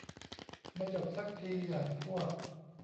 ไม่จบซักที อย่างพวก